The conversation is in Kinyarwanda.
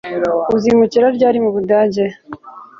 Uzimukira ryari mu Budage